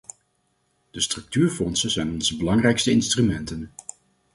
De structuurfondsen zijn onze belangrijkste instrumenten.